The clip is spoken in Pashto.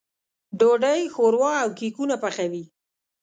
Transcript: ډوډۍ، ښوروا او کيکونه پخوي.